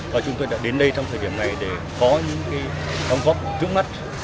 và chúng tôi đã đến đây trong thời điểm này để có những cái phong góp trước mắt